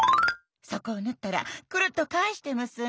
そこを縫ったらクルッと返して結んで。